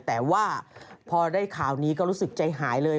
แต่ว่าพอได้ข่าวนี้ก็รู้สึกใจหายเลย